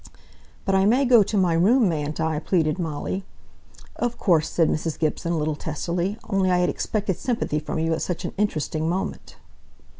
"But I may go to my own room, mayn't I," pleaded Molly. "Of course," said Mrs. Gibson, a little testily. "Only I had expected sympathy from you at such an interesting moment."